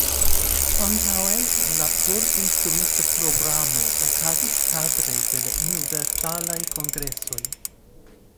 Antaŭe, la por instruista programo okazis kadre de la universalaj kongresoj.